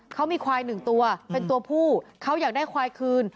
เขามีควายหนึ่งตัวเป็นตัวผู้เขาอยากได้ควายคืน